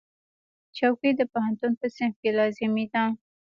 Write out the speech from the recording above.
چوکۍ د پوهنتون په صنف کې لازمي ده.